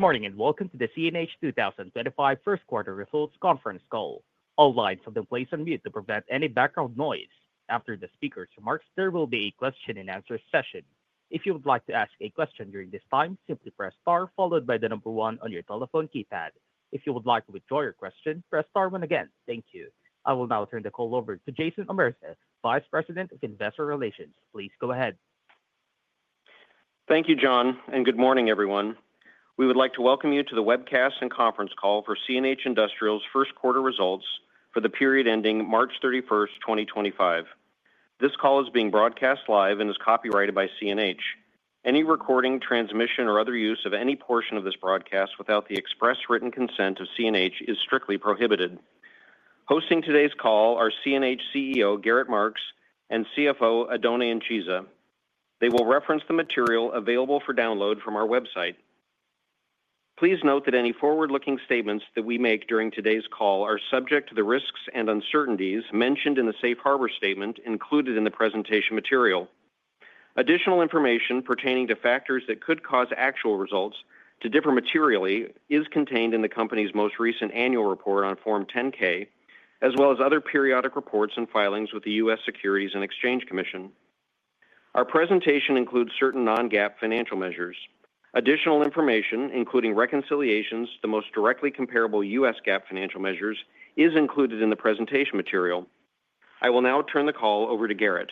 Good morning and welcome to the CNH 2025 First Quarter Results Conference call. All lines have been placed on mute to prevent any background noise. After the speaker's remarks, there will be a question-and-answer session. If you would like to ask a question during this time, simply press star followed by the number one on your telephone keypad. If you would like to withdraw your question, press star one again. Thank you. I will now turn the call over to Jason Omerza, Vice President of Investor Relations. Please go ahead. Thank you, John, and good morning, everyone. We would like to welcome you to the webcast and conference call for CNH Industrial's first quarter results for the period ending March 31st, 2025. This call is being broadcast live and is copyrighted by CNH. Any recording, transmission, or other use of any portion of this broadcast without the express written consent of CNH is strictly prohibited. Hosting today's call are CNH CEO, Gerrit Marx, and CFO, Oddone Incisa. They will reference the material available for download from our website. Please note that any forward-looking statements that we make during today's call are subject to the risks and uncertainties mentioned in the safe harbor statement included in the presentation material. Additional information pertaining to factors that could cause actual results to differ materially is contained in the company's most recent annual report on Form 10-K, as well as other periodic reports and filings with the U.S. Securities and Exchange Commission. Our presentation includes certain non-GAAP financial measures. Additional information, including reconciliations, the most directly comparable U.S. GAAP financial measures, is included in the presentation material. I will now turn the call over to Gerrit.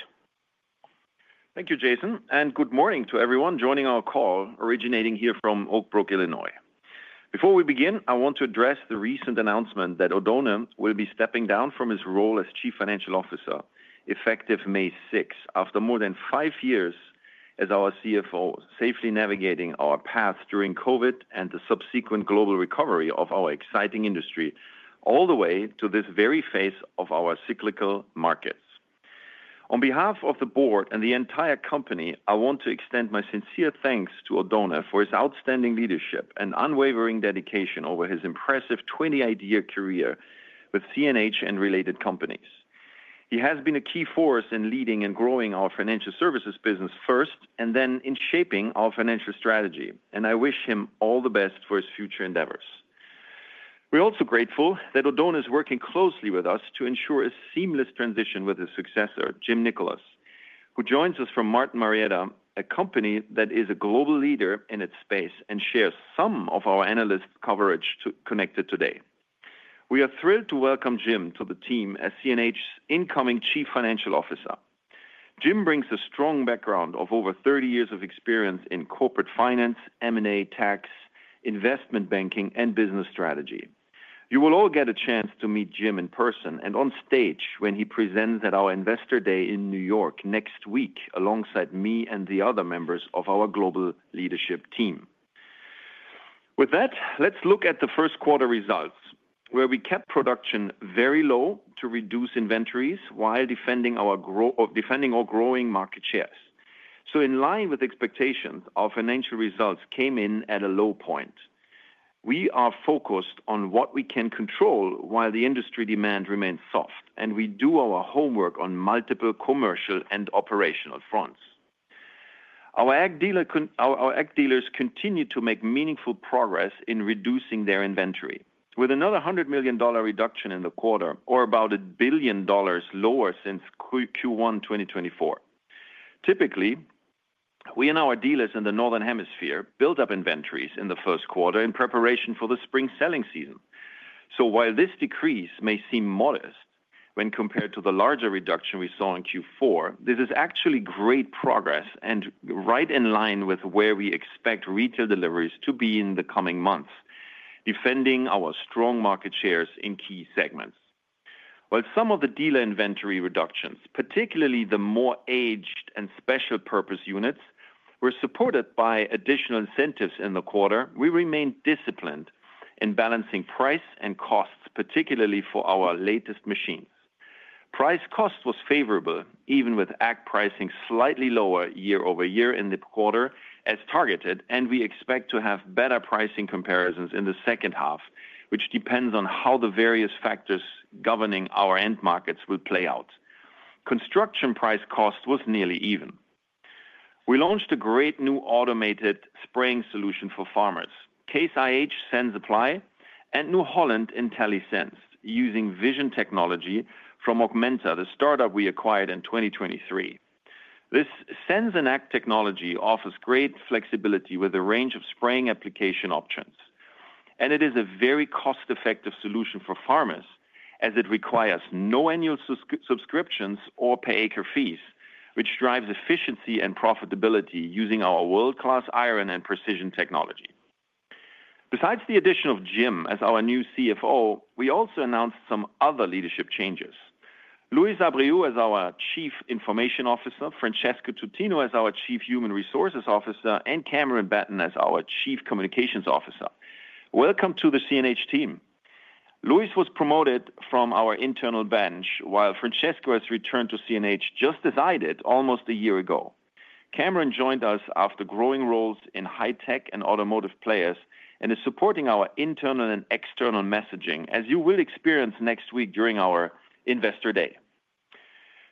Thank you, Jason, and good morning to everyone joining our call originating here from Oak Brook, Illinois. Before we begin, I want to address the recent announcement that Oddone will be stepping down from his role as Chief Financial Officer effective May 6, after more than five years as our CFO, safely navigating our path during COVID and the subsequent global recovery of our exciting industry, all the way to this very phase of our cyclical markets. On behalf of the board and the entire company, I want to extend my sincere thanks to Oddone for his outstanding leadership and unwavering dedication over his impressive 28-year career with CNH and related companies. He has been a key force in leading and growing our financial services business first and then in shaping our financial strategy, and I wish him all the best for his future endeavors. We're also grateful that Oddone is working closely with us to ensure a seamless transition with his successor, Jim Nicholas, who joins us from Martin Marietta, a company that is a global leader in its space and shares some of our analyst coverage connected today. We are thrilled to welcome Jim to the team as CNH's incoming Chief Financial Officer. Jim brings a strong background of over 30 years of experience in corporate finance, M&A, tax, investment banking, and business strategy. You will all get a chance to meet Jim in person and on stage when he presents at our Investor Day in New York next week alongside me and the other members of our global leadership team. With that, let's look at the first quarter results, where we kept production very low to reduce inventories while defending our growing market shares. In line with expectations, our financial results came in at a low point. We are focused on what we can control while the industry demand remains soft, and we do our homework on multiple commercial and operational fronts. Our ag dealers continue to make meaningful progress in reducing their inventory, with another $100 million reduction in the quarter, or about a billion dollars lower since Q1 2024. Typically, we and our dealers in the northern hemisphere built up inventories in the first quarter in preparation for the spring selling season. While this decrease may seem modest when compared to the larger reduction we saw in Q4, this is actually great progress and right in line with where we expect retail deliveries to be in the coming months, defending our strong market shares in key segments. While some of the dealer inventory reductions, particularly the more aged and special purpose units, were supported by additional incentives in the quarter, we remained disciplined in balancing price and costs, particularly for our latest machines. Price-cost was favorable, even with ag pricing slightly lower year-over-year in the quarter as targeted, and we expect to have better pricing comparisons in the second half, which depends on how the various factors governing our end markets will play out. Construction price-cost was nearly even. We launched a great new automated spraying solution for farmers, Case IH SenseApply, and New Holland IntelliSense, using vision technology from Augmenta, the startup we acquired in 2023. This Sense and Ag technology offers great flexibility with a range of spraying application options, and it is a very cost-effective solution for farmers as it requires no annual subscriptions or per-acre fees, which drives efficiency and profitability using our world-class iron and precision technology. Besides the addition of Jim as our new CFO, we also announced some other leadership changes. Luis Abreu as our Chief Information Officer, Francesco Tutino as our Chief Human Resources Officer, and Cameron Batten as our Chief Communications Officer. Welcome to the CNH team. Luis was promoted from our internal bench, while Francesco has returned to CNH just as I did almost a year ago. Cameron joined us after growing roles in high-tech and automotive players and is supporting our internal and external messaging, as you will experience next week during our Investor Day.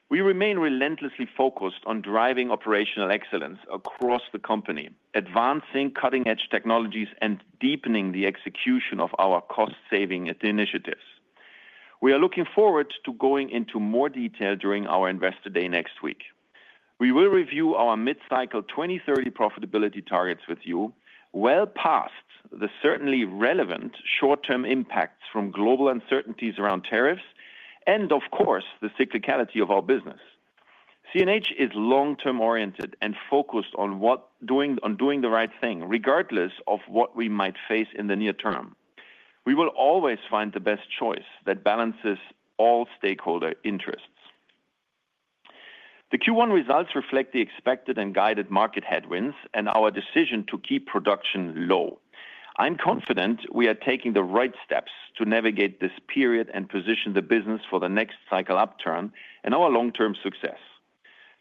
We remain relentlessly focused on driving operational excellence across the company, advancing cutting-edge technologies and deepening the execution of our cost-saving initiatives. We are looking forward to going into more detail during our Investor Day next week. We will review our mid-cycle 2030 profitability targets with you, well past the certainly relevant short-term impacts from global uncertainties around tariffs, and of course, the cyclicality of our business. CNH Industrial is long-term oriented and focused on doing the right thing, regardless of what we might face in the near term. We will always find the best choice that balances all stakeholder interests. The Q1 results reflect the expected and guided market headwinds and our decision to keep production low. I'm confident we are taking the right steps to navigate this period and position the business for the next cycle upturn and our long-term success.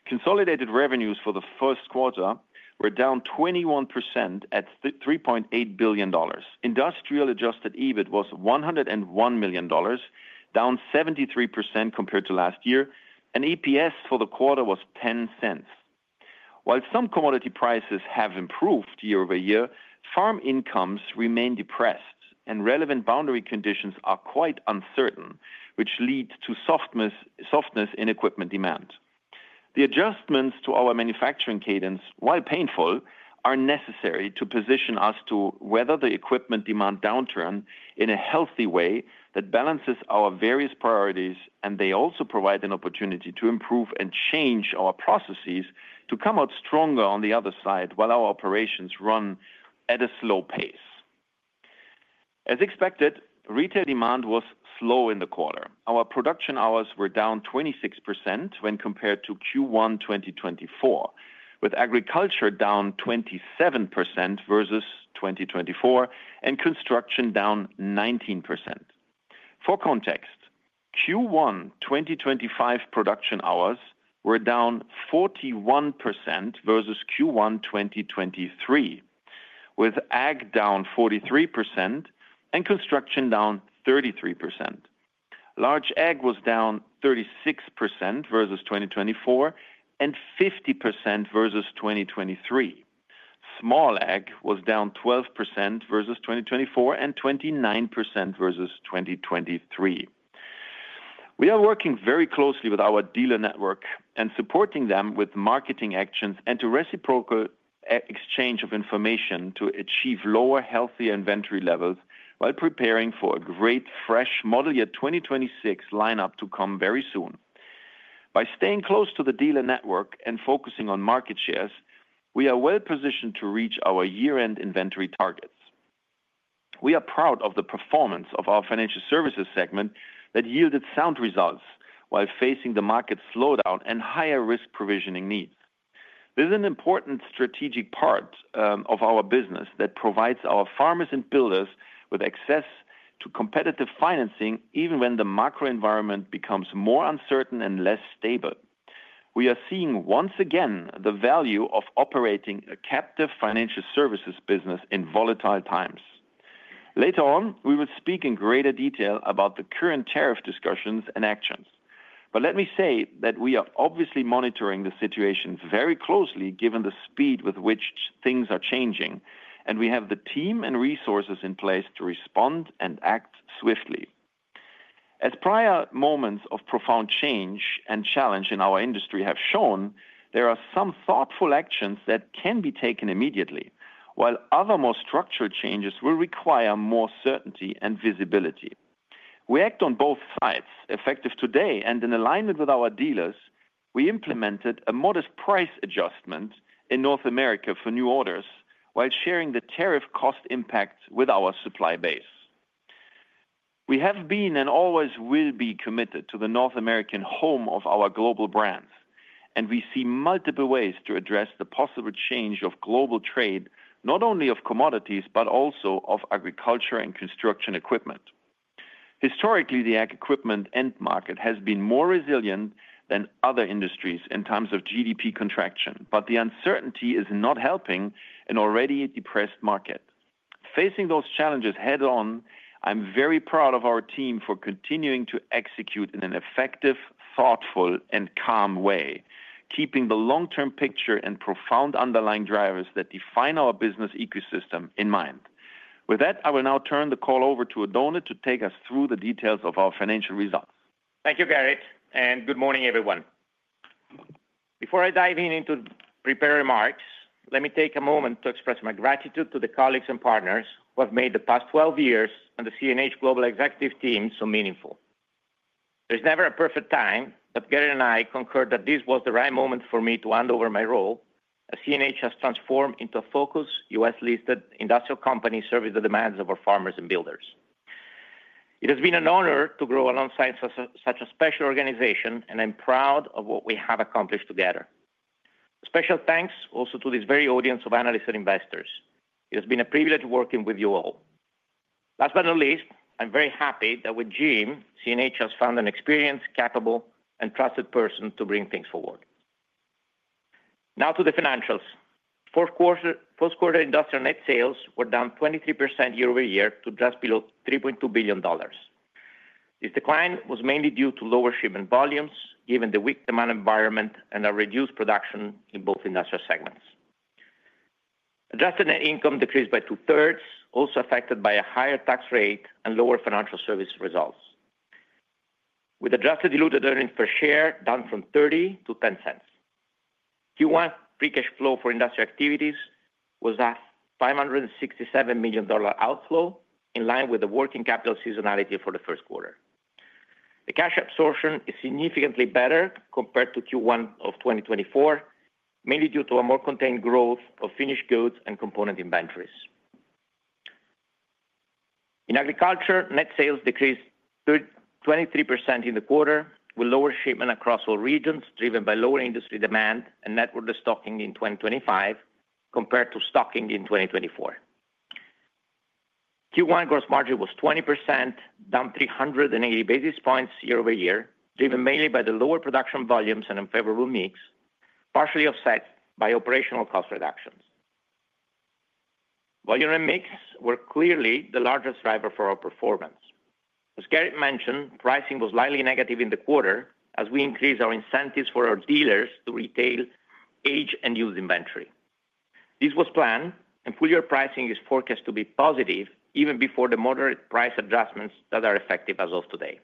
Consolidated revenues for the first quarter were down 21% at $3.8 billion. Industrial adjusted EBIT was $101 million, down 73% compared to last year, and EPS for the quarter was $0.10. While some commodity prices have improved year-over-year, farm incomes remain depressed, and relevant boundary conditions are quite uncertain, which leads to softness in equipment demand. The adjustments to our manufacturing cadence, while painful, are necessary to position us to weather the equipment demand downturn in a healthy way that balances our various priorities, and they also provide an opportunity to improve and change our processes to come out stronger on the other side while our operations run at a slow pace. As expected, retail demand was slow in the quarter. Our production hours were down 26% when compared to Q1 2023, with agriculture down 27% versus 2023 and construction down 19%. For context, Q1 2025 production hours were down 41% versus Q1 2023, with ag down 43% and construction down 33%. Large ag was down 36% versus 2024 and 50% versus 2023. Small ag was down 12% versus 2024 and 29% versus 2023. We are working very closely with our dealer network and supporting them with marketing actions and a reciprocal exchange of information to achieve lower, healthier inventory levels while preparing for a great, fresh model year 2026 lineup to come very soon. By staying close to the dealer network and focusing on market shares, we are well positioned to reach our year-end inventory targets. We are proud of the performance of our financial services segment that yielded sound results while facing the market slowdown and higher risk provisioning needs. This is an important strategic part of our business that provides our farmers and builders with access to competitive financing even when the macro environment becomes more uncertain and less stable. We are seeing once again the value of operating a captive financial services business in volatile times. Later on, we will speak in greater detail about the current tariff discussions and actions, but let me say that we are obviously monitoring the situation very closely given the speed with which things are changing, and we have the team and resources in place to respond and act swiftly. As prior moments of profound change and challenge in our industry have shown, there are some thoughtful actions that can be taken immediately, while other more structured changes will require more certainty and visibility. We act on both sides, effective today and in alignment with our dealers. We implemented a modest price adjustment in North America for new orders while sharing the tariff cost impact with our supply base. We have been and always will be committed to the North American home of our global brands, and we see multiple ways to address the possible change of global trade, not only of commodities but also of agriculture and construction equipment. Historically, the ag equipment end market has been more resilient than other industries in times of GDP contraction, but the uncertainty is not helping an already depressed market. Facing those challenges head-on, I'm very proud of our team for continuing to execute in an effective, thoughtful, and calm way, keeping the long-term picture and profound underlying drivers that define our business ecosystem in mind. With that, I will now turn the call over to Oddone to take us through the details of our financial results. Thank you, Gerrit, and good morning, everyone. Before I dive into prepared remarks, let me take a moment to express my gratitude to the colleagues and partners who have made the past 12 years and the CNH global executive team so meaningful. There is never a perfect time, but Gerrit and I concurred that this was the right moment for me to hand over my role, as CNH has transformed into a focused U.S.-listed industrial company serving the demands of our farmers and builders. It has been an honor to grow alongside such a special organization, and I'm proud of what we have accomplished together. Special thanks also to this very audience of analysts and investors. It has been a privilege working with you all. Last but not least, I'm very happy that with Jim, CNH has found an experienced, capable, and trusted person to bring things forward. Now to the financials. First quarter industrial net sales were down 23% year-over-year to just below $3.2 billion. This decline was mainly due to lower shipment volumes given the weak demand environment and a reduced production in both industrial segments. Adjusted net income decreased by two-thirds, also affected by a higher tax rate and lower financial services results, with adjusted diluted earnings per share down from $0.30 to $0.10. Q1 free cash flow for industrial activities was a $567 million outflow, in line with the working capital seasonality for the first quarter. The cash absorption is significantly better compared to Q1 of 2023, mainly due to a more contained growth of finished goods and component inventories. In agriculture, net sales decreased 23% in the quarter with lower shipment across all regions, driven by lower industry demand and network restocking in 2023 compared to stocking in 2022. Q1 gross margin was 20%, down 380 basis points year-over-year, driven mainly by the lower production volumes and unfavorable mix, partially offset by operational cost reductions. Volume and mix were clearly the largest driver for our performance. As Gerrit mentioned, pricing was slightly negative in the quarter as we increased our incentives for our dealers to retail aged and used inventory. This was planned, and full-year pricing is forecast to be positive even before the moderate price adjustments that are effective as of today.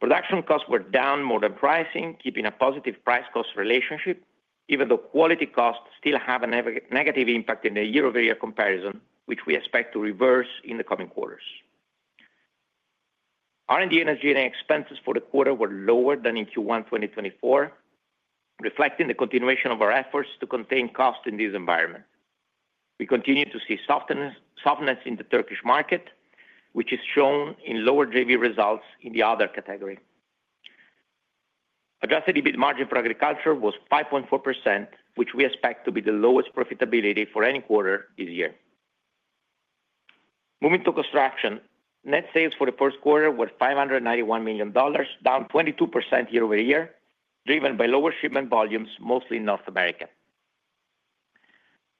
Production costs were down more than pricing, keeping a positive price-cost relationship, even though quality costs still have a negative impact in the year-over-year comparison, which we expect to reverse in the coming quarters. R&D, energy, and expenses for the quarter were lower than in Q1 2024, reflecting the continuation of our efforts to contain costs in this environment. We continue to see softness in the Turkish market, which is shown in lower JV results in the other category. Adjusted EBIT margin for agriculture was 5.4%, which we expect to be the lowest profitability for any quarter this year. Moving to construction, net sales for the first quarter were $591 million, down 22% year-over-year, driven by lower shipment volumes, mostly in North America.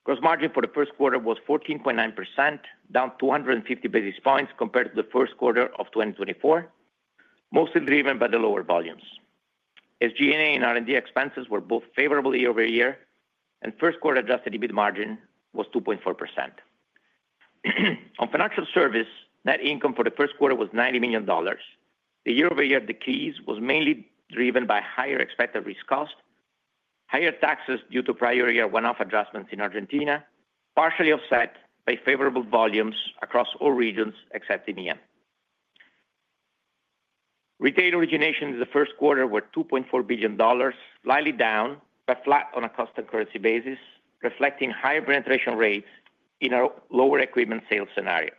Gross margin for the first quarter was 14.9%, down 250 basis points compared to the first quarter of 2024, mostly driven by the lower volumes. SG&A and R&D expenses were both favorable year-over-year, and first quarter adjusted EBIT margin was 2.4%. On financial service, net income for the first quarter was $90 million. The year-over-year decrease was mainly driven by higher expected risk costs, higher taxes due to prior year one-off adjustments in Argentina, partially offset by favorable volumes across all regions except EMEA. Retail origination in the first quarter was $2.4 billion, slightly down but flat on a cost and currency basis, reflecting higher penetration rates in a lower equipment sales scenario.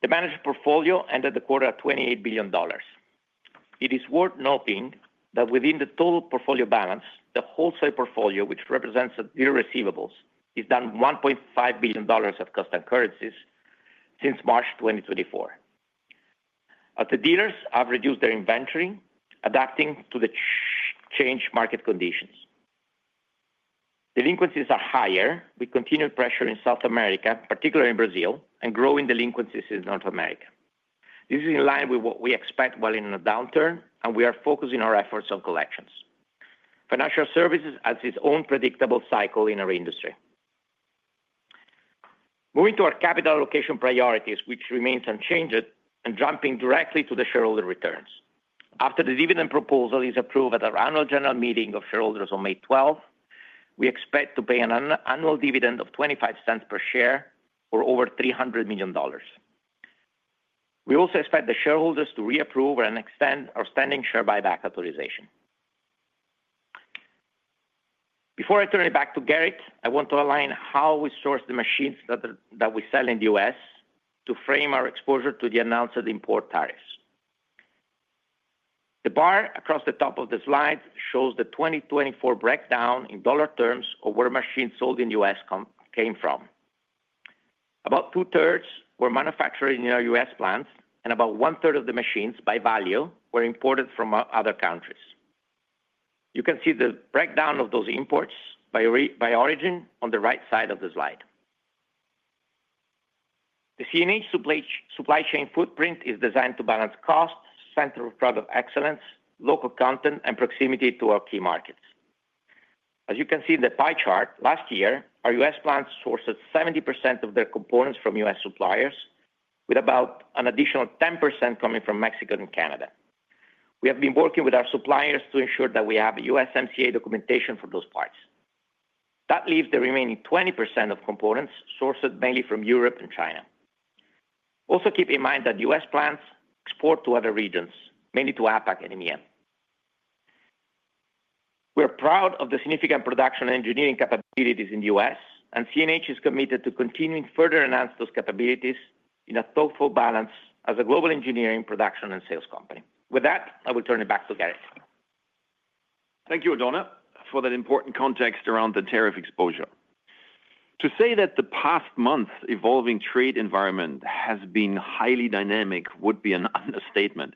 The managed portfolio ended the quarter at $28 billion. It is worth noting that within the total portfolio balance, the wholesale portfolio, which represents the dealer receivables, is down $1.5 billion at cost and currencies since March 2024. The dealers have reduced their inventory, adapting to the changed market conditions. Delinquencies are higher with continued pressure in South America, particularly in Brazil, and growing delinquencies in North America. This is in line with what we expect while in a downturn, and we are focusing our efforts on collections. Financial services has its own predictable cycle in our industry. Moving to our capital allocation priorities, which remains unchanged and jumping directly to the shareholder returns. After the dividend proposal is approved at our annual general meeting of shareholders on May 12, we expect to pay an annual dividend of $0.25 per share for over $300 million. We also expect the shareholders to reapprove and extend our standing share buyback authorization. Before I turn it back to Gerrit, I want to outline how we source the machines that we sell in the U.S. to frame our exposure to the announced import tariffs. The bar across the top of the slide shows the 2024 breakdown in dollar terms of where machines sold in the U.S. came from. About two-thirds were manufactured in our U.S. plants, and about one-third of the machines, by value, were imported from other countries. You can see the breakdown of those imports by origin on the right side of the slide. The CNH supply chain footprint is designed to balance cost, center of product excellence, local content, and proximity to our key markets. As you can see in the pie chart, last year, our U.S. plants sourced 70% of their components from U.S. suppliers, with about an additional 10% coming from Mexico and Canada. We have been working with our suppliers to ensure that we have USMCA documentation for those parts. That leaves the remaining 20% of components sourced mainly from Europe and China. Also keep in mind that U.S. plants export to other regions, mainly to APAC and EMEA. We are proud of the significant production and engineering capabilities in the U.S., and CNH is committed to continuing to further enhance those capabilities in a thoughtful balance as a global engineering, production, and sales company. With that, I will turn it back to Gerrit. Thank you, Oddone, for that important context around the tariff exposure. To say that the past month's evolving trade environment has been highly dynamic would be an understatement,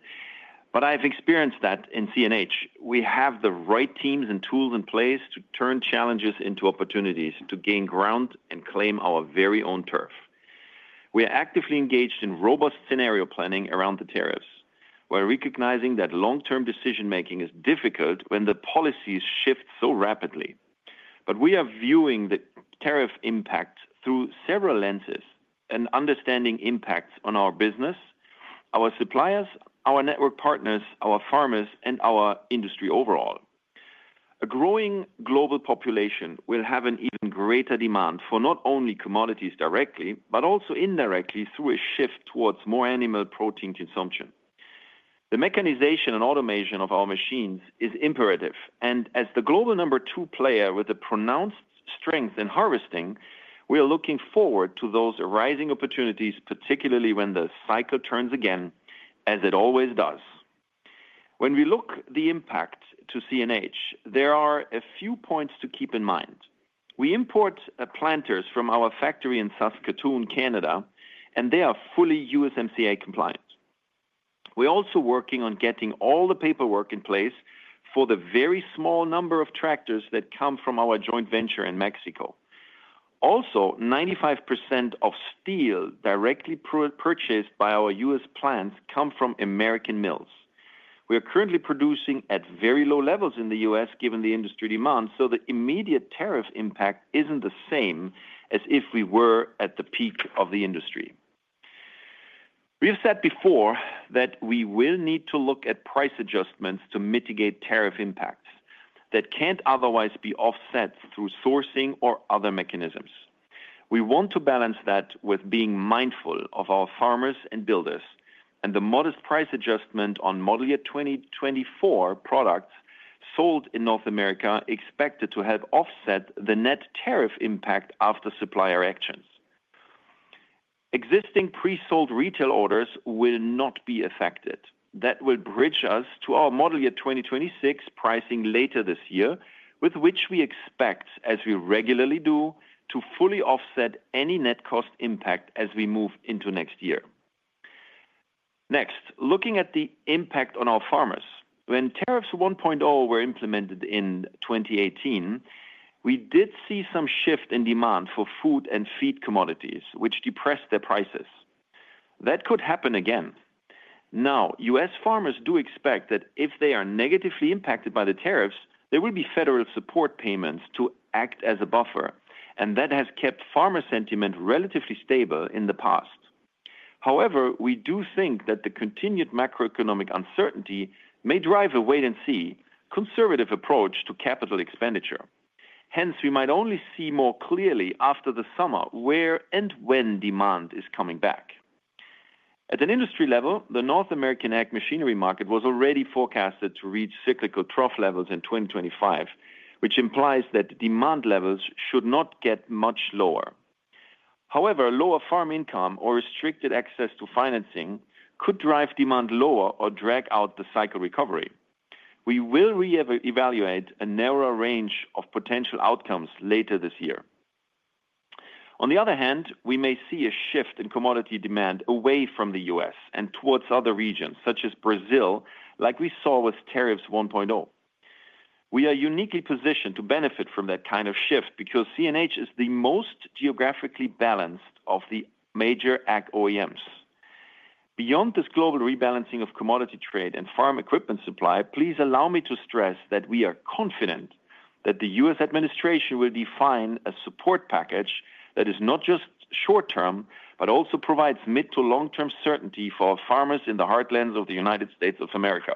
but I have experienced that in CNH. We have the right teams and tools in place to turn challenges into opportunities to gain ground and claim our very own turf. We are actively engaged in robust scenario planning around the tariffs, while recognizing that long-term decision-making is difficult when the policies shift so rapidly. We are viewing the tariff impact through several lenses and understanding impacts on our business, our suppliers, our network partners, our farmers, and our industry overall. A growing global population will have an even greater demand for not only commodities directly, but also indirectly through a shift towards more animal protein consumption. The mechanization and automation of our machines is imperative, and as the global number two player with a pronounced strength in harvesting, we are looking forward to those arising opportunities, particularly when the cycle turns again, as it always does. When we look at the impact to CNH, there are a few points to keep in mind. We import planters from our factory in St. Catharines, Canada, and they are fully USMCA compliant. We are also working on getting all the paperwork in place for the very small number of tractors that come from our joint venture in Mexico. Also, 95% of steel directly purchased by our U.S. plants comes from American Mills. We are currently producing at very low levels in the U.S. given the industry demand, so the immediate tariff impact isn't the same as if we were at the peak of the industry. We have said before that we will need to look at price adjustments to mitigate tariff impacts that can't otherwise be offset through sourcing or other mechanisms. We want to balance that with being mindful of our farmers and builders, and the modest price adjustment on model year 2024 products sold in North America is expected to help offset the net tariff impact after supplier actions. Existing pre-sold retail orders will not be affected. That will bridge us to our model year 2026 pricing later this year, with which we expect, as we regularly do, to fully offset any net cost impact as we move into next year. Next, looking at the impact on our farmers, when tariffs 1.0 were implemented in 2018, we did see some shift in demand for food and feed commodities, which depressed their prices. That could happen again. Now, U.S. Farmers do expect that if they are negatively impacted by the tariffs, there will be federal support payments to act as a buffer, and that has kept farmer sentiment relatively stable in the past. However, we do think that the continued macroeconomic uncertainty may drive a wait-and-see conservative approach to capital expenditure. Hence, we might only see more clearly after the summer where and when demand is coming back. At an industry level, the North American ag machinery market was already forecasted to reach cyclical trough levels in 2025, which implies that demand levels should not get much lower. However, lower farm income or restricted access to financing could drive demand lower or drag out the cycle recovery. We will reevaluate a narrower range of potential outcomes later this year. On the other hand, we may see a shift in commodity demand away from the U.S. and towards other regions, such as Brazil, like we saw with tariffs 1.0. We are uniquely positioned to benefit from that kind of shift because CNH is the most geographically balanced of the major ag OEMs. Beyond this global rebalancing of commodity trade and farm equipment supply, please allow me to stress that we are confident that the U.S. administration will define a support package that is not just short-term, but also provides mid- to long-term certainty for farmers in the heartlands of the United States of America.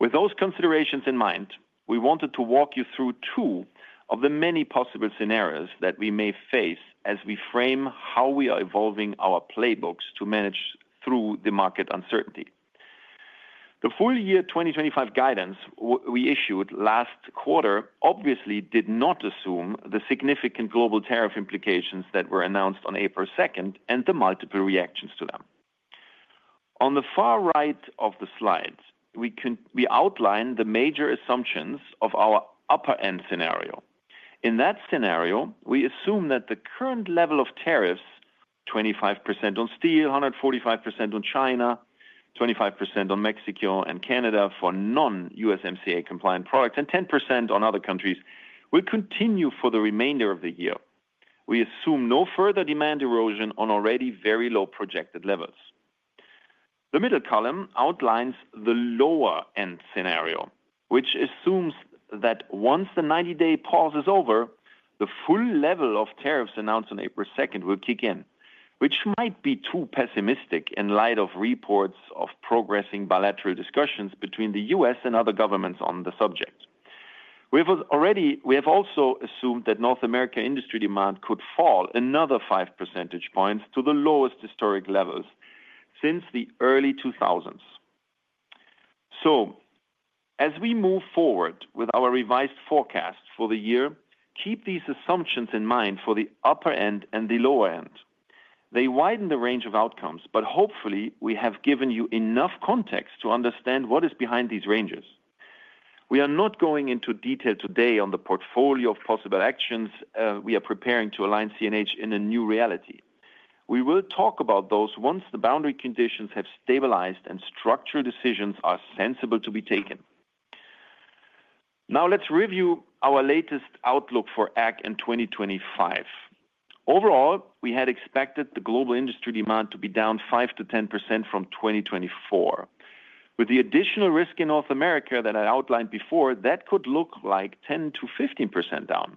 With those considerations in mind, we wanted to walk you through two of the many possible scenarios that we may face as we frame how we are evolving our playbooks to manage through the market uncertainty. The full year 2025 guidance we issued last quarter obviously did not assume the significant global tariff implications that were announced on April 2nd and the multiple reactions to them. On the far right of the slide, we outline the major assumptions of our upper-end scenario. In that scenario, we assume that the current level of tariffs, 25% on steel, 145% on China, 25% on Mexico and Canada for non-U.S. MCA compliant products, and 10% on other countries, will continue for the remainder of the year. We assume no further demand erosion on already very low projected levels. The middle column outlines the lower-end scenario, which assumes that once the 90-day pause is over, the full level of tariffs announced on April 2nd will kick in, which might be too pessimistic in light of reports of progressing bilateral discussions between the U.S. and other governments on the subject. We have also assumed that North America industry demand could fall another 5 percentage points to the lowest historic levels since the early 2000s. As we move forward with our revised forecast for the year, keep these assumptions in mind for the upper end and the lower end. They widen the range of outcomes, but hopefully, we have given you enough context to understand what is behind these ranges. We are not going into detail today on the portfolio of possible actions we are preparing to align CNH Industrial in a new reality. We will talk about those once the boundary conditions have stabilized and structural decisions are sensible to be taken. Now, let's review our latest outlook for ag in 2025. Overall, we had expected the global industry demand to be down 5%-10% from 2024. With the additional risk in North America that I outlined before, that could look like 10%-15% down.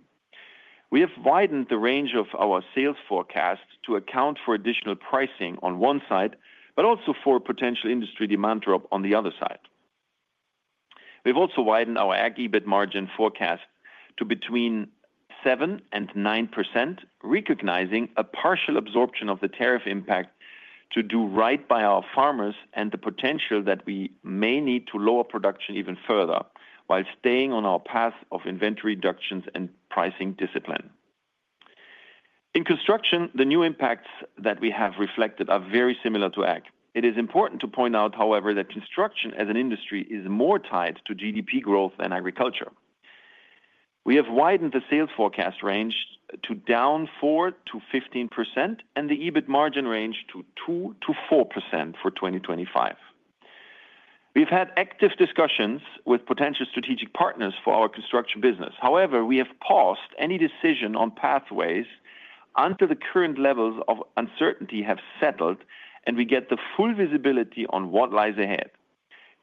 We have widened the range of our sales forecast to account for additional pricing on one side, but also for potential industry demand drop on the other side. We have also widened our ag EBIT margin forecast to between 7% and 9%, recognizing a partial absorption of the tariff impact to do right by our farmers and the potential that we may need to lower production even further while staying on our path of inventory reductions and pricing discipline. In construction, the new impacts that we have reflected are very similar to ag. It is important to point out, however, that construction as an industry is more tied to GDP growth than agriculture. We have widened the sales forecast range to down 4%-15% and the EBIT margin range to 2%-4% for 2025. We have had active discussions with potential strategic partners for our construction business. However, we have paused any decision on pathways until the current levels of uncertainty have settled and we get the full visibility on what lies ahead.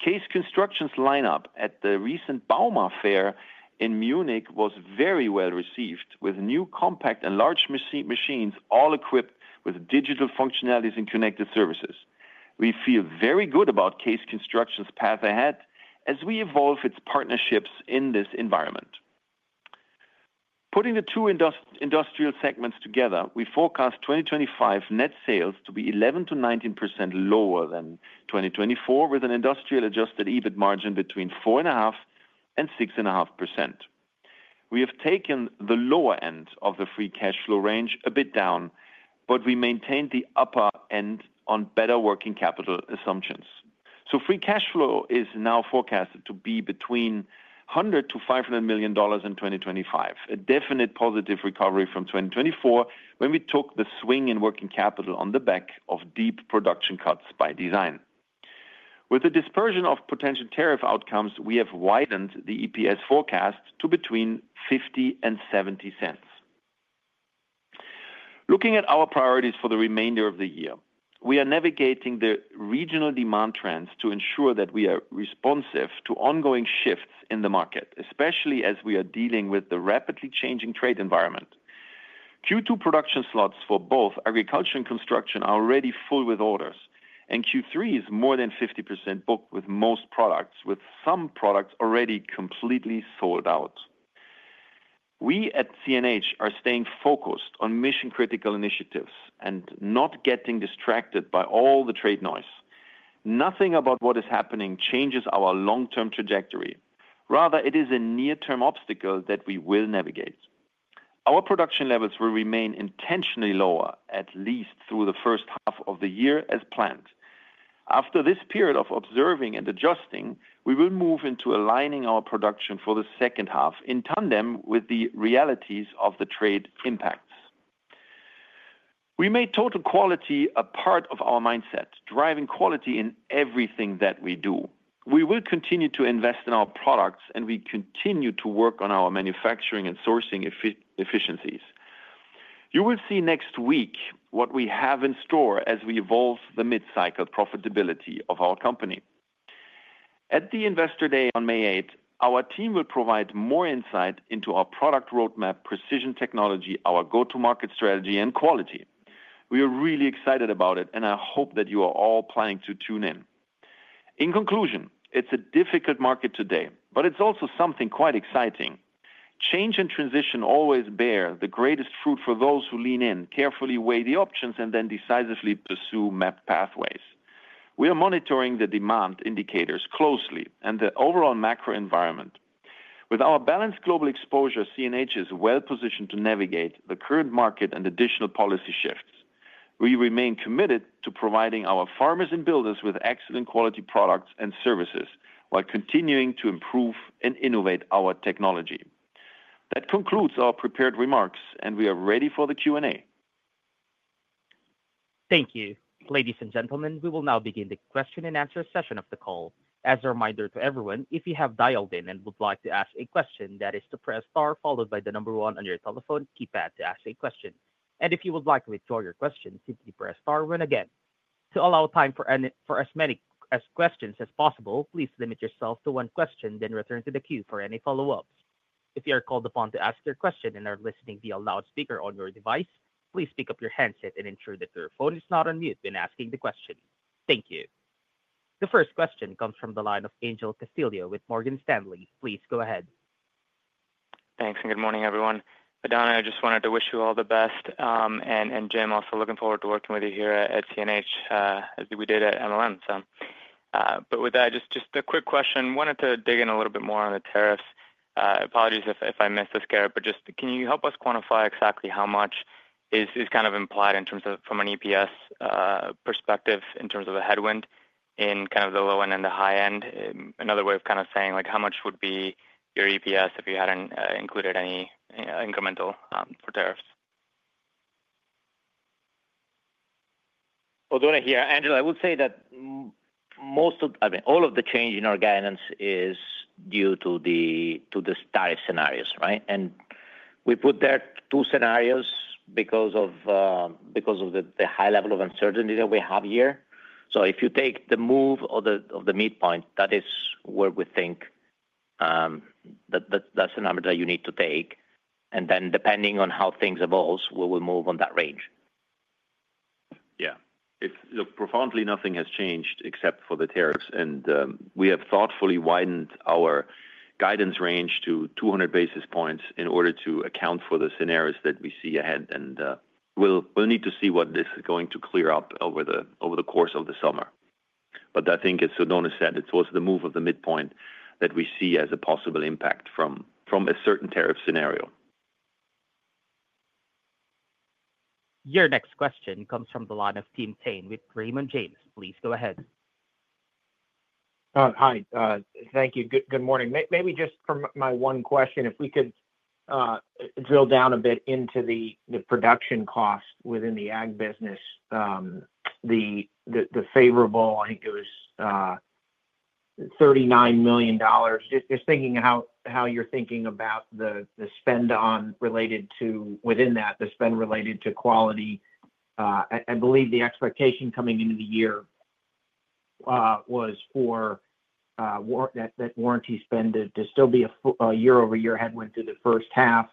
Case Construction's lineup at the recent Bauma Fair in Munich was very well received, with new compact and large machines all equipped with digital functionalities and connected services. We feel very good about Case Construction's path ahead as we evolve its partnerships in this environment. Putting the two industrial segments together, we forecast 2025 net sales to be 11%-19% lower than 2024, with an industrial-adjusted EBIT margin between 4.5% and 6.5%. We have taken the lower end of the free cash flow range a bit down, but we maintained the upper end on better working capital assumptions. Free cash flow is now forecasted to be between $100-$500 million in 2025, a definite positive recovery from 2024 when we took the swing in working capital on the back of deep production cuts by design. With the dispersion of potential tariff outcomes, we have widened the EPS forecast to between $0.50 and $0.70. Looking at our priorities for the remainder of the year, we are navigating the regional demand trends to ensure that we are responsive to ongoing shifts in the market, especially as we are dealing with the rapidly changing trade environment. Q2 production slots for both agriculture and construction are already full with orders, and Q3 is more than 50% booked with most products, with some products already completely sold out. We at CNH Industrial are staying focused on mission-critical initiatives and not getting distracted by all the trade noise. Nothing about what is happening changes our long-term trajectory. Rather, it is a near-term obstacle that we will navigate. Our production levels will remain intentionally lower, at least through the first half of the year as planned. After this period of observing and adjusting, we will move into aligning our production for the second half in tandem with the realities of the trade impacts. We made total quality a part of our mindset, driving quality in everything that we do. We will continue to invest in our products, and we continue to work on our manufacturing and sourcing efficiencies. You will see next week what we have in store as we evolve the mid-cycle profitability of our company. At the Investor Day on May 8, our team will provide more insight into our product roadmap, precision technology, our go-to-market strategy, and quality. We are really excited about it, and I hope that you are all planning to tune in. In conclusion, it's a difficult market today, but it's also something quite exciting. Change and transition always bear the greatest fruit for those who lean in, carefully weigh the options, and then decisively pursue mapped pathways. We are monitoring the demand indicators closely and the overall macro environment. With our balanced global exposure, CNH is well-positioned to navigate the current market and additional policy shifts. We remain committed to providing our farmers and builders with excellent quality products and services while continuing to improve and innovate our technology. That concludes our prepared remarks, and we are ready for the Q&A. Thank you. Ladies and gentlemen, we will now begin the question and answer session of the call. As a reminder to everyone, if you have dialed in and would like to ask a question, that is to press star followed by the number one on your telephone keypad to ask a question. If you would like to withdraw your question, simply press star one again. To allow time for as many questions as possible, please limit yourself to one question, then return to the queue for any follow-ups. If you are called upon to ask your question and are listening via loudspeaker on your device, please pick up your handset and ensure that your phone is not on mute when asking the question. Thank you. The first question comes from the line of Angel Castillo with Morgan Stanley. Please go ahead. Thanks and good morning, everyone. Oddone, I just wanted to wish you all the best. And Jim, also looking forward to working with you here at CNH as we did at Martin Marietta. With that, just a quick question. Wanted to dig in a little bit more on the tariffs. Apologies if I missed this, Gerrit, but just can you help us quantify exactly how much is kind of implied in terms of from an EPS perspective, in terms of a headwind in kind of the low end and the high end? Another way of kind of saying, like, how much would be your EPS if you hadn't included any incremental for tariffs? I hear you, Angela. I would say that most of, I mean, all of the change in our guidance is due to the tariff scenarios, right? We put there two scenarios because of the high level of uncertainty that we have here. If you take the move of the midpoint, that is where we think that's the number that you need to take. Then depending on how things evolve, we will move on that range. Profoundly, nothing has changed except for the tariffs, and we have thoughtfully widened our guidance range to 200 basis points in order to account for the scenarios that we see ahead. We will need to see what this is going to clear up over the course of the summer. I think, as Oddone said, it's also the move of the midpoint that we see as a possible impact from a certain tariff scenario. Your next question comes from the line of Tim Thein with Raymond James. Please go ahead. Hi. Thank you. Good morning. Maybe just for my one question, if we could drill down a bit into the production cost within the ag business, the favorable, I think it was $39 million. Just thinking how you're thinking about the spend related to within that, the spend related to quality. I believe the expectation coming into the year was for that warranty spend to still be a year-over-year headwind to the first half.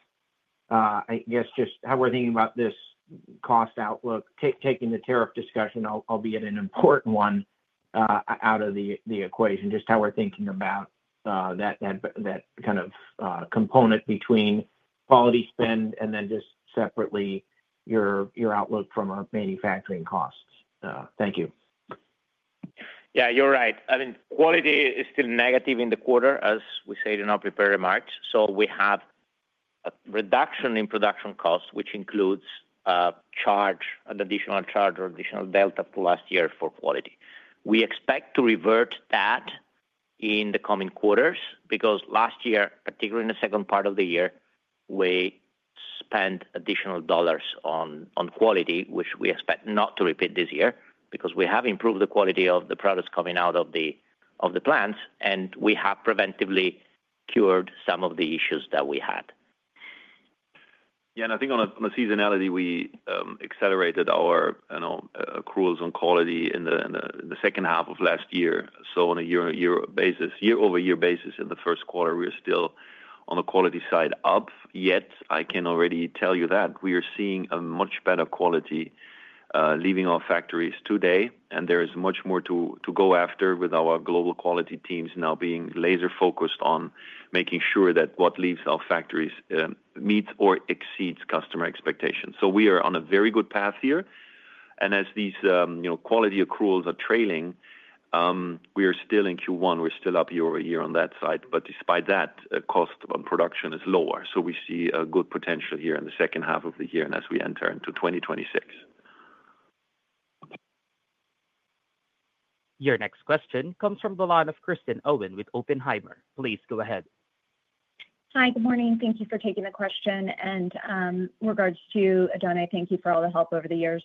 I guess just how we're thinking about this cost outlook, taking the tariff discussion, albeit an important one, out of the equation, just how we're thinking about that kind of component between quality spend and then just separately your outlook from our manufacturing costs. Thank you. Yeah, you're right. I mean, quality is still negative in the quarter, as we said in our prepared remarks. We have a reduction in production costs, which includes a charge, an additional charge or additional delta for last year for quality. We expect to revert that in the coming quarters because last year, particularly in the second part of the year, we spent additional dollars on quality, which we expect not to repeat this year because we have improved the quality of the products coming out of the plants, and we have preventively cured some of the issues that we had. Yeah, and I think on the seasonality, we accelerated our accruals on quality in the second half of last year. On a year-over-year basis, in the first quarter, we're still on the quality side up. Yet, I can already tell you that we are seeing a much better quality leaving our factories today, and there is much more to go after with our global quality teams now being laser-focused on making sure that what leaves our factories meets or exceeds customer expectations. We are on a very good path here. As these quality accruals are trailing, we are still in Q1. We're still up year-over-year on that side. Despite that, cost of production is lower. We see a good potential here in the second half of the year and as we enter into 2026. Your next question comes from the line of Kristen Owen with Oppenheimer. Please go ahead. Hi, good morning. Thank you for taking the question. In regards to Oddone, thank you for all the help over the years.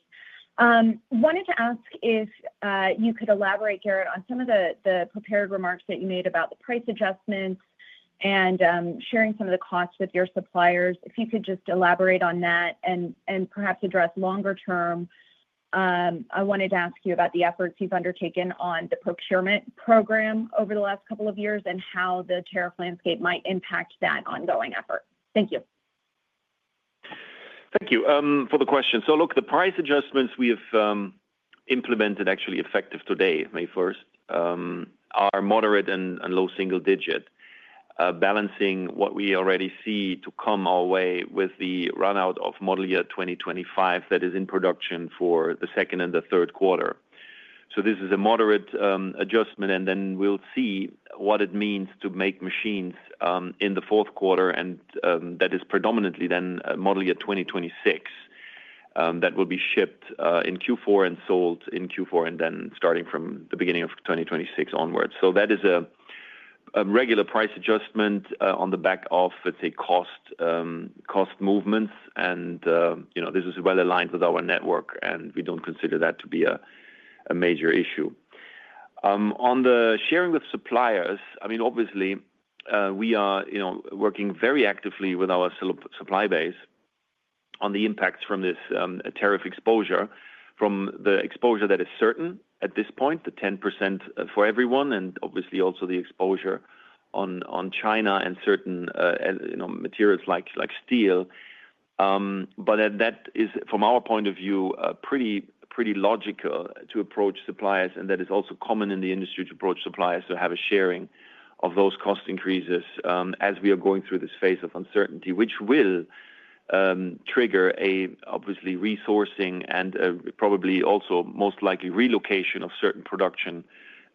Wanted to ask if you could elaborate, Gerrit, on some of the prepared remarks that you made about the price adjustments and sharing some of the costs with your suppliers. If you could just elaborate on that and perhaps address longer term. I wanted to ask you about the efforts you've undertaken on the procurement program over the last couple of years and how the tariff landscape might impact that ongoing effort. Thank you. Thank you for the question. Look, the price adjustments we have implemented, actually effective today, May 1st, are moderate and low single-digit, balancing what we already see to come our way with the run-out of model year 2025 that is in production for the second and the third quarter. This is a moderate adjustment, and then we'll see what it means to make machines in the fourth quarter, and that is predominantly then model year 2026 that will be shipped in Q4 and sold in Q4 and then starting from the beginning of 2026 onwards. That is a regular price adjustment on the back of, let's say, cost movements. This is well aligned with our network, and we don't consider that to be a major issue. On the sharing with suppliers, I mean, obviously, we are working very actively with our supply base on the impacts from this tariff exposure, from the exposure that is certain at this point, the 10% for everyone, and obviously also the exposure on China and certain materials like steel. That is, from our point of view, pretty logical to approach suppliers, and that is also common in the industry to approach suppliers to have a sharing of those cost increases as we are going through this phase of uncertainty, which will trigger a, obviously, resourcing and probably also most likely relocation of certain production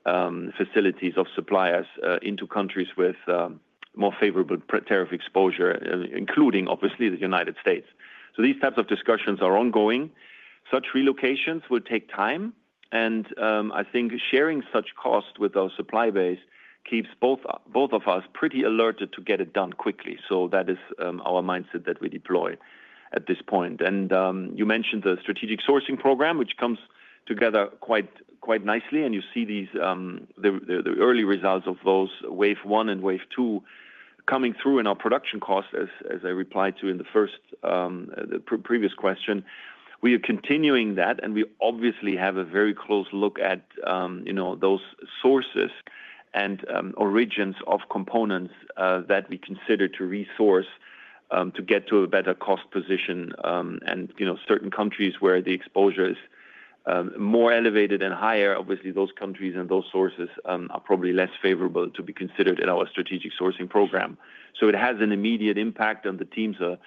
facilities of suppliers into countries with more favorable tariff exposure, including obviously the United States. These types of discussions are ongoing. Such relocations will take time, and I think sharing such cost with our supply base keeps both of us pretty alerted to get it done quickly. That is our mindset that we deploy at this point. You mentioned the strategic sourcing program, which comes together quite nicely, and you see the early results of those wave one and wave two coming through in our production cost, as I replied to in the previous question. We are continuing that, and we obviously have a very close look at those sources and origins of components that we consider to resource to get to a better cost position. Certain countries where the exposure is more elevated and higher, obviously those countries and those sources are probably less favorable to be considered in our strategic sourcing program. It has an immediate impact, and the teams are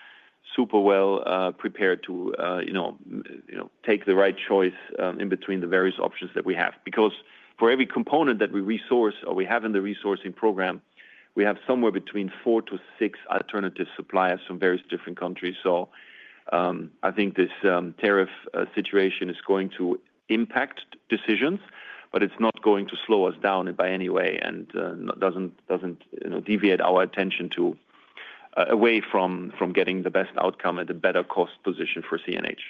super well prepared to take the right choice in between the various options that we have. Because for every component that we resource or we have in the resourcing program, we have somewhere between four to six alternative suppliers from various different countries. I think this tariff situation is going to impact decisions, but it's not going to slow us down by any way and doesn't deviate our attention away from getting the best outcome at a better cost position for CNH.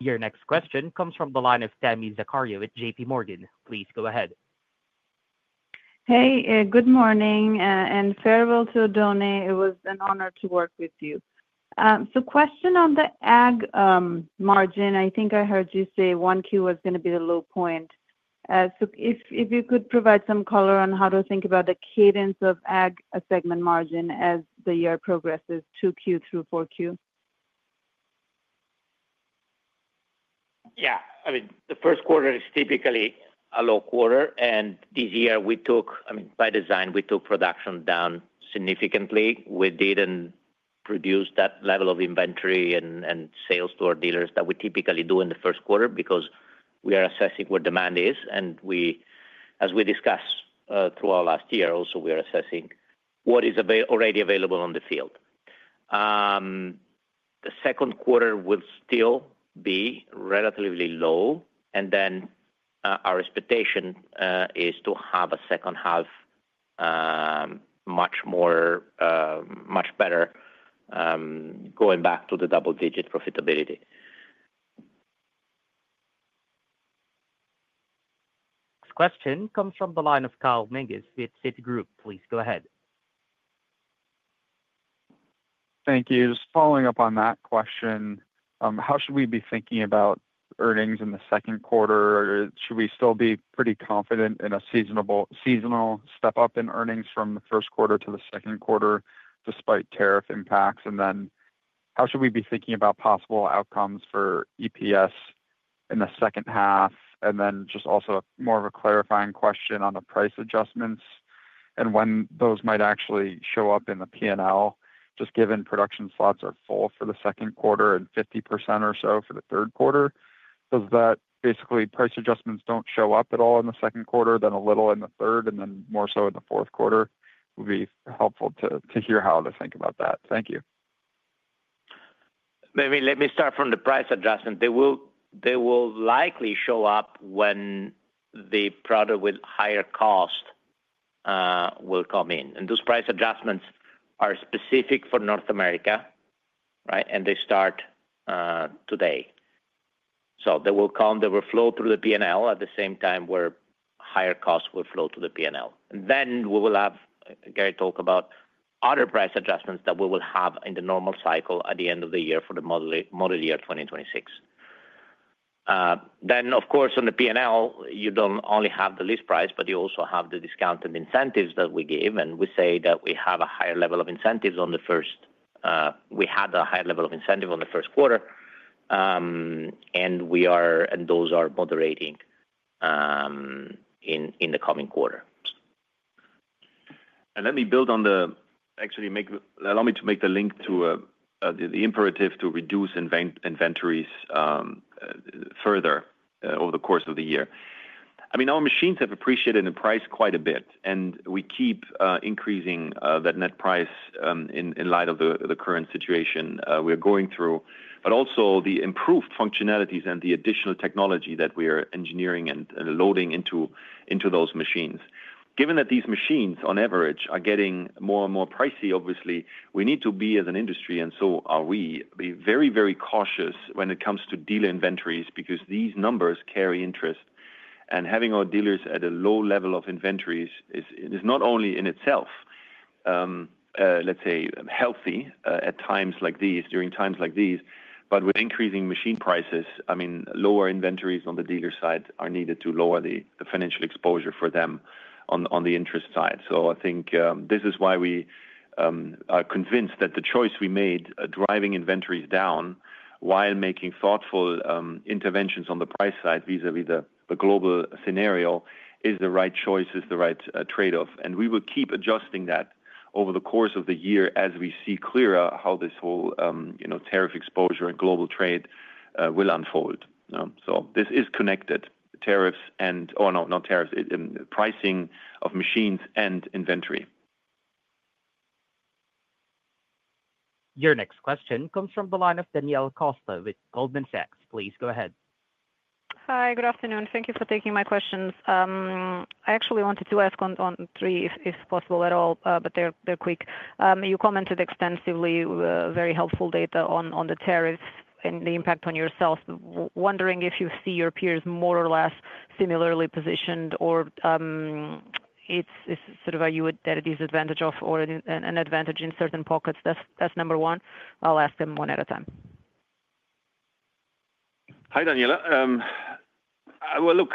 Your next question comes from the line of Tami Zakaria with J.P. Morgan. Please go ahead. Hey, good morning and farewell to Oddone. It was an honor to work with you. Question on the ag margin, I think I heard you say one Q was going to be the low point. If you could provide some color on how to think about the cadence of ag segment margin as the year progresses to Q through 4Q. Yeah. I mean, the first quarter is typically a low quarter, and this year we took, I mean, by design, we took production down significantly. We did not produce that level of inventory and sales to our dealers that we typically do in the first quarter because we are assessing where demand is. As we discussed throughout last year, also we are assessing what is already available on the field. The second quarter will still be relatively low, and then our expectation is to have a second half much better going back to the double-digit profitability. Next question comes from the line of Kyle Menges with Citigroup. Please go ahead. Thank you. Just following up on that question, how should we be thinking about earnings in the second quarter? Should we still be pretty confident in a seasonal step-up in earnings from the first quarter to the second quarter despite tariff impacts? How should we be thinking about possible outcomes for EPS in the second half? Also, more of a clarifying question on the price adjustments and when those might actually show up in the P&L, just given production slots are full for the second quarter and 50% or so for the third quarter. Does that basically mean price adjustments do not show up at all in the second quarter, then a little in the third, and then more so in the fourth quarter? It would be helpful to hear how to think about that. Thank you. Maybe let me start from the price adjustment. They will likely show up when the product with higher cost will come in. Those price adjustments are specific for North America, right? They start today. They will come, they will flow through the P&L at the same time where higher costs will flow to the P&L. We will have Gerrit talk about other price adjustments that we will have in the normal cycle at the end of the year for the model year 2026. Of course, on the P&L, you do not only have the list price, but you also have the discounted incentives that we give. We say that we have a higher level of incentives on the first quarter, and those are moderating in the coming quarter. Let me build on the actually, allow me to make the link to the imperative to reduce inventories further over the course of the year. I mean, our machines have appreciated in price quite a bit, and we keep increasing that net price in light of the current situation we are going through, but also the improved functionalities and the additional technology that we are engineering and loading into those machines. Given that these machines, on average, are getting more and more pricey, obviously, we need to be, as an industry, and so are we, be very, very cautious when it comes to dealer inventories because these numbers carry interest. Having our dealers at a low level of inventories is not only in itself, let's say, healthy at times like these, during times like these, but with increasing machine prices, I mean, lower inventories on the dealer side are needed to lower the financial exposure for them on the interest side. I think this is why we are convinced that the choice we made driving inventories down while making thoughtful interventions on the price side vis-à-vis the global scenario is the right choice, is the right trade-off. We will keep adjusting that over the course of the year as we see clearer how this whole tariff exposure and global trade will unfold. This is connected, tariffs and, oh, no, not tariffs, pricing of machines and inventory. Your next question comes from the line of Daniela Costa with Goldman Sachs. Please go ahead. Hi, good afternoon. Thank you for taking my questions. I actually wanted to ask on three if possible at all, but they're quick. You commented extensively, very helpful data on the tariffs and the impact on yourself. Wondering if you see your peers more or less similarly positioned or it's sort of a disadvantage of or an advantage in certain pockets. That's number one. I'll ask them one at a time. Hi, Daniela. Look,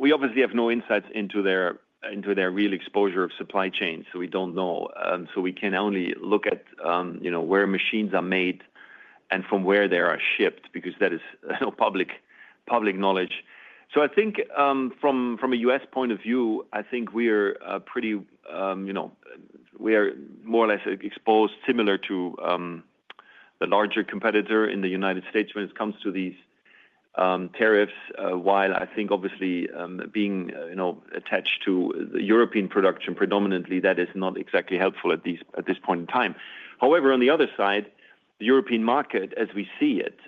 we obviously have no insights into their real exposure of supply chains, so we don't know. We can only look at where machines are made and from where they are shipped because that is public knowledge. I think from a U.S. point of view, I think we are pretty, we are more or less exposed similar to the larger competitor in the United States when it comes to these tariffs, while I think obviously being attached to the European production predominantly, that is not exactly helpful at this point in time. However, on the other side, the European market, as we see it,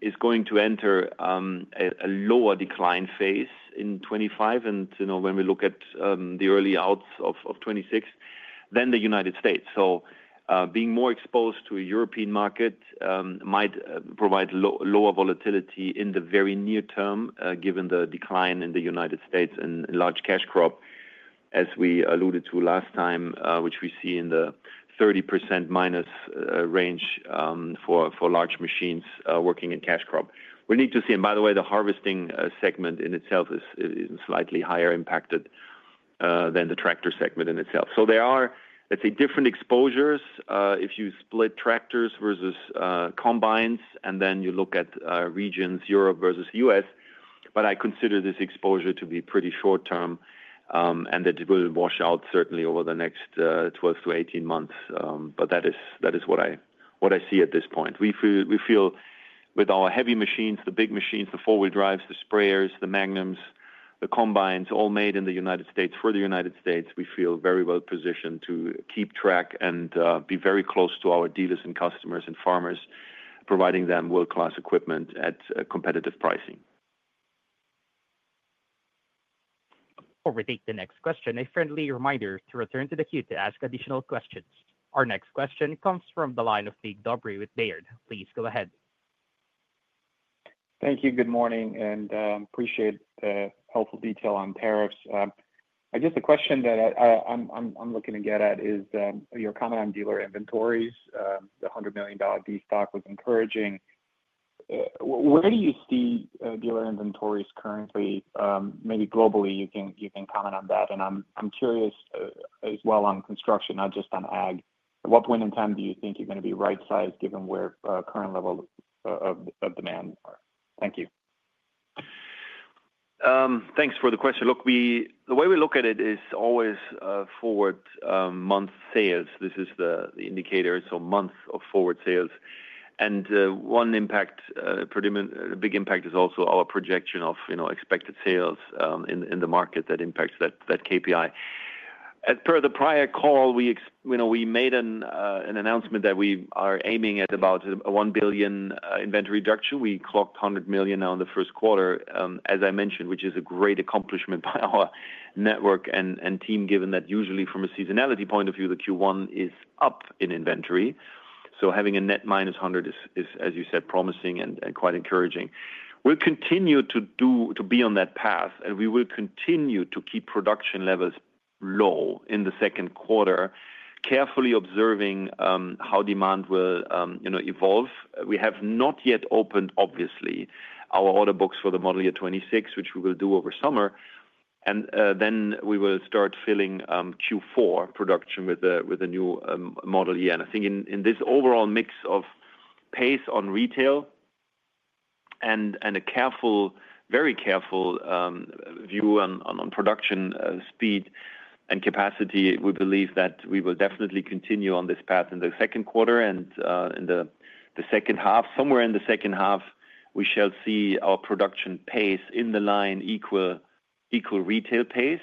is going to enter a lower decline phase in 2025. And when we look at the early outs of 2026, then the United States. Being more exposed to a European market might provide lower volatility in the very near term given the decline in the United States and large cash crop, as we alluded to last time, which we see in the 30% minus range for large machines working in cash crop. We need to see. By the way, the harvesting segment in itself is slightly higher impacted than the tractor segment in itself. There are, let's say, different exposures if you split tractors versus combines and then you look at regions, Europe versus U.S. I consider this exposure to be pretty short term and that it will wash out certainly over the next 12-18 months. That is what I see at this point. We feel with our heavy machines, the big machines, the four-wheel drives, the sprayers, the Magnums, the combines all made in the United States for the United States, we feel very well positioned to keep track and be very close to our dealers and customers and farmers, providing them world-class equipment at competitive pricing. Overtake the next question. A friendly reminder to return to the queue to ask additional questions. Our next question comes from the line of Nick Dobry with Baird. Please go ahead. Thank you. Good morning and appreciate the helpful detail on tariffs. I guess the question that I'm looking to get at is your comment on dealer inventories, the $100 million destock was encouraging. Where do you see dealer inventories currently? Maybe globally, you can comment on that. I am curious as well on construction, not just on ag. At what point in time do you think you're going to be right-sized given where current level of demand is? Thank you. Thanks for the question. Look, the way we look at it is always forward month sales. This is the indicator. Month of forward sales. One impact, a big impact is also our projection of expected sales in the market that impacts that KPI. As per the prior call, we made an announcement that we are aiming at about a $1 billion inventory reduction. We clocked $100 million now in the first quarter, as I mentioned, which is a great accomplishment by our network and team, given that usually from a seasonality point of view, the Q1 is up in inventory. Having a net minus $100 million is, as you said, promising and quite encouraging. We will continue to be on that path, and we will continue to keep production levels low in the second quarter, carefully observing how demand will evolve. We have not yet opened, obviously, our order books for the model year 2026, which we will do over summer. We will start filling Q4 production with a new model year. I think in this overall mix of pace on retail and a very careful view on production speed and capacity, we believe that we will definitely continue on this path in the second quarter and in the second half. Somewhere in the second half, we shall see our production pace in the line equal retail pace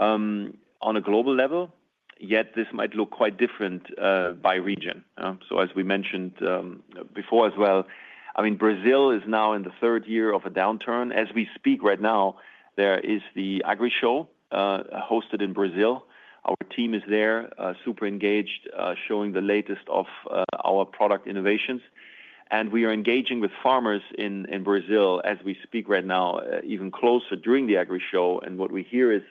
on a global level. Yet this might look quite different by region. As we mentioned before as well, I mean, Brazil is now in the third year of a downturn. As we speak right now, there is the Agrishow hosted in Brazil. Our team is there, super engaged, showing the latest of our product innovations. We are engaging with farmers in Brazil as we speak right now, even closer during the Agrishow. What we hear is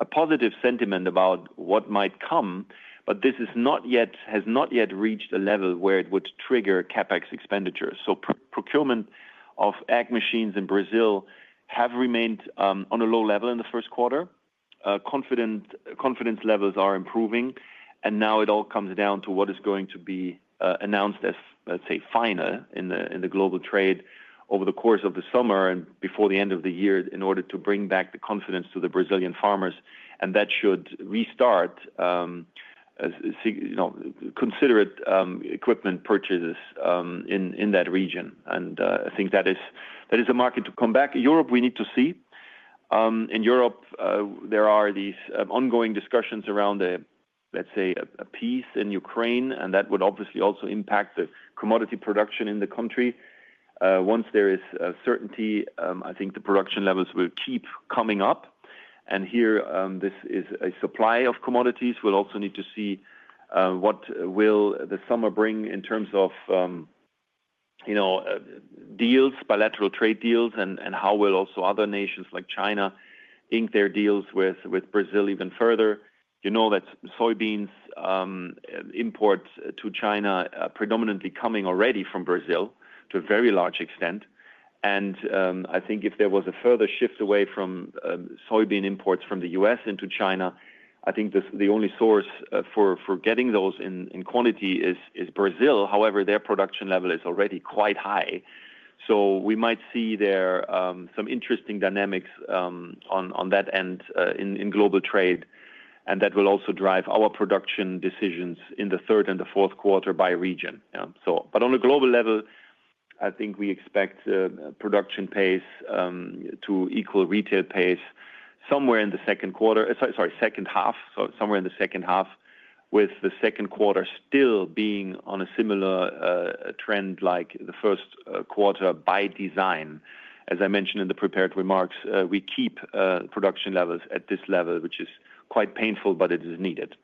a positive sentiment about what might come, but this has not yet reached a level where it would trigger CapEx expenditures. Procurement of ag machines in Brazil has remained on a low level in the first quarter. Confidence levels are improving. It all comes down to what is going to be announced as, let's say, final in the global trade over the course of the summer and before the end of the year in order to bring back the confidence to the Brazilian farmers. That should restart considerate equipment purchases in that region. I think that is a market to come back. Europe, we need to see. In Europe, there are these ongoing discussions around, let's say, a peace in Ukraine, and that would obviously also impact the commodity production in the country. Once there is certainty, I think the production levels will keep coming up. Here, this is a supply of commodities. We'll also need to see what the summer will bring in terms of deals, bilateral trade deals, and how other nations like China will ink their deals with Brazil even further. You know that soybeans import to China are predominantly coming already from Brazil to a very large extent. I think if there was a further shift away from soybean imports from the U.S. into China, the only source for getting those in quantity is Brazil. However, their production level is already quite high. We might see some interesting dynamics on that end in global trade, and that will also drive our production decisions in the third and the fourth quarter by region. On a global level, I think we expect production pace to equal retail pace somewhere in the second quarter, sorry, second half, somewhere in the second half, with the second quarter still being on a similar trend like the first quarter by design. As I mentioned in the prepared remarks, we keep production levels at this level, which is quite painful, but it is needed.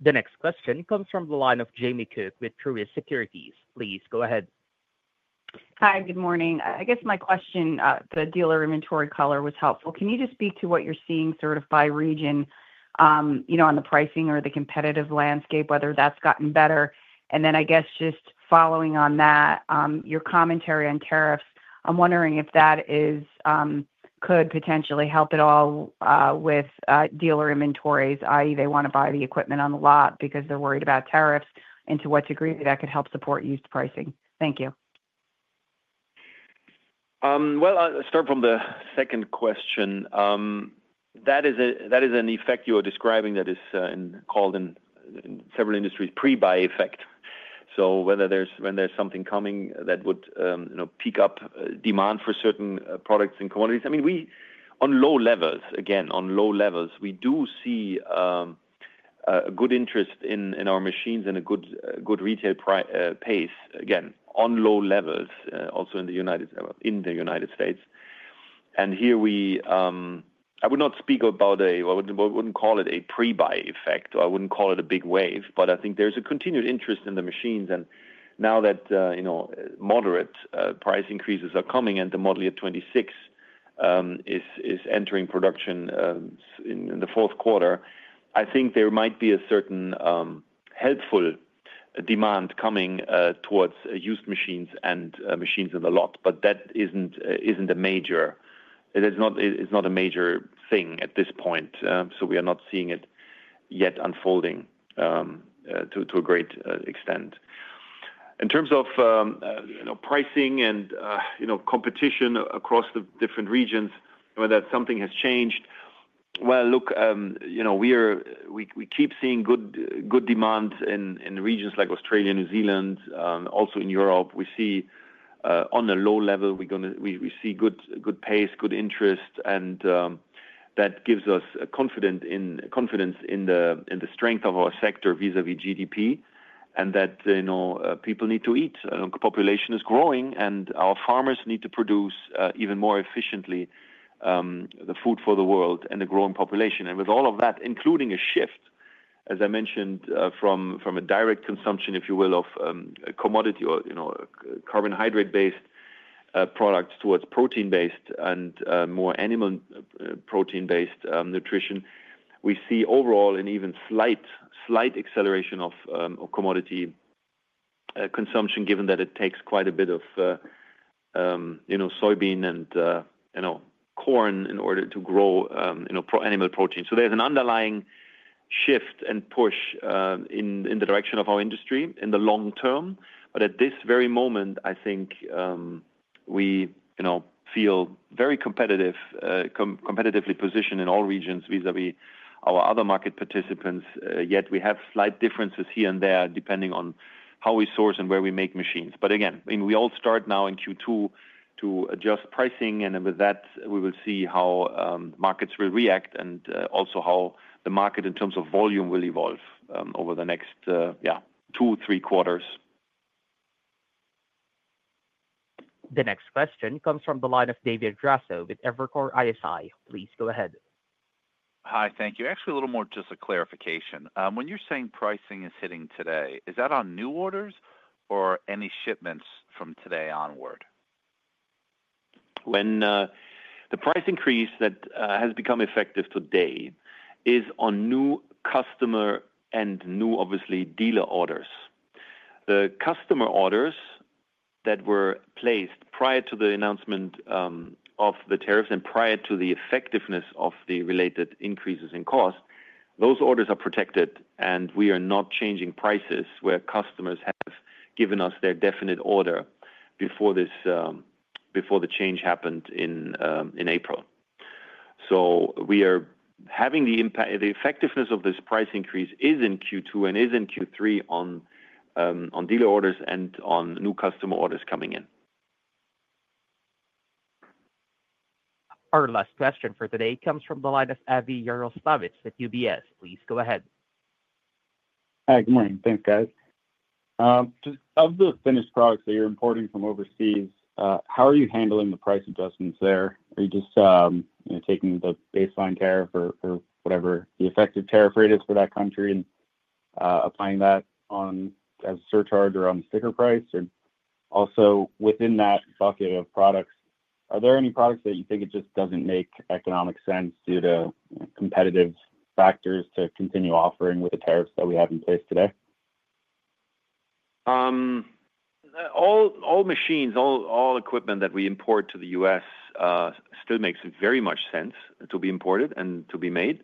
The next question comes from the line of Jamie Cook with Truist Securities. Please go ahead. Hi, good morning. I guess my question, the dealer inventory color was helpful. Can you just speak to what you're seeing sort of by region on the pricing or the competitive landscape, whether that's gotten better? I guess just following on that, your commentary on tariffs, I'm wondering if that could potentially help at all with dealer inventories, i.e., they want to buy the equipment on the lot because they're worried about tariffs. To what degree could that help support used pricing? Thank you. I'll start from the second question. That is an effect you are describing that is called in several industries pre-buy effect. When there's something coming that would peak up demand for certain products and commodities, I mean, on low levels, again, on low levels, we do see a good interest in our machines and a good retail pace, again, on low levels, also in the United States. Here we, I would not speak about a, I would not call it a pre-buy effect, or I would not call it a big wave, but I think there is a continued interest in the machines. Now that moderate price increases are coming and the model year 2026 is entering production in the fourth quarter, I think there might be a certain helpful demand coming towards used machines and machines in the lot, but that is not a major, it is not a major thing at this point. We are not seeing it yet unfolding to a great extent. In terms of pricing and competition across the different regions, whether something has changed, look, we keep seeing good demand in regions like Australia, New Zealand, also in Europe. We see on a low level, we see good pace, good interest, and that gives us confidence in the strength of our sector vis-à-vis GDP and that people need to eat. The population is growing, and our farmers need to produce even more efficiently the food for the world and the growing population. With all of that, including a shift, as I mentioned, from a direct consumption, if you will, of commodity or carbohydrate-based products towards protein-based and more animal protein-based nutrition, we see overall an even slight acceleration of commodity consumption, given that it takes quite a bit of soybean and corn in order to grow animal protein. There is an underlying shift and push in the direction of our industry in the long term. At this very moment, I think we feel very competitively positioned in all regions vis-à-vis our other market participants. Yet we have slight differences here and there depending on how we source and where we make machines. Again, we all start now in Q2 to adjust pricing. With that, we will see how markets will react and also how the market in terms of volume will evolve over the next two, three quarters. The next question comes from the line of David Raso with Evercore ISI. Please go ahead. Hi, thank you. Actually, a little more just a clarification. When you're saying pricing is hitting today, is that on new orders or any shipments from today onward? When the price increase that has become effective today is on new customer and new, obviously, dealer orders. The customer orders that were placed prior to the announcement of the tariffs and prior to the effectiveness of the related increases in cost, those orders are protected, and we are not changing prices where customers have given us their definite order before the change happened in April. We are having the effectiveness of this price increase in Q2 and in Q3 on dealer orders and on new customer orders coming in. Our last question for today comes from the line of Avi Jaroslawicz with UBS. Please go ahead. Hi, good morning. Thanks, guys. Of the finished products that you're importing from overseas, how are you handling the price adjustments there? Are you just taking the baseline tariff or whatever the effective tariff rate is for that country and applying that as a surcharge or on the sticker price? Also within that bucket of products, are there any products that you think it just doesn't make economic sense due to competitive factors to continue offering with the tariffs that we have in place today? All machines, all equipment that we import to the U.S. still makes very much sense to be imported and to be made.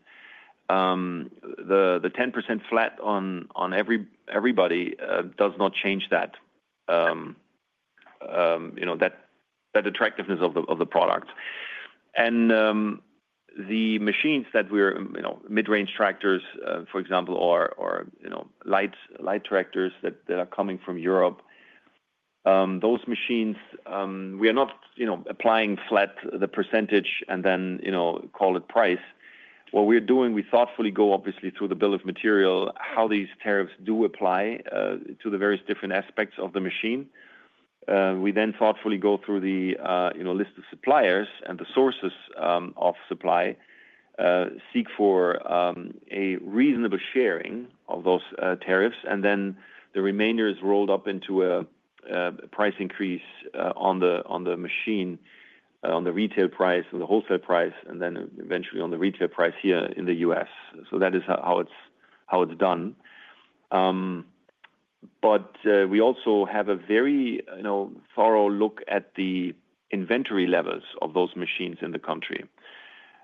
The 10% flat on everybody does not change that attractiveness of the product. The machines that are mid-range tractors, for example, or light tractors that are coming from Europe, those machines, we are not applying flat the percentage and then call it price. What we're doing, we thoughtfully go, obviously, through the bill of material, how these tariffs do apply to the various different aspects of the machine. We then thoughtfully go through the list of suppliers and the sources of supply, seek for a reasonable sharing of those tariffs, and then the remainder is rolled up into a price increase on the machine, on the retail price, on the wholesale price, and then eventually on the retail price here in the U.S. That is how it's done. We also have a very thorough look at the inventory levels of those machines in the country.